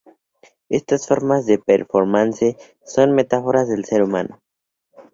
Estas formas de performance son metáforas del ser humano.